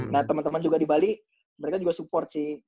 nah teman teman juga di bali mereka juga support sih